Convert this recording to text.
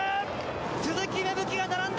鈴木芽吹が並んだ。